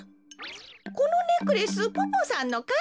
このネックレスポポさんのかい？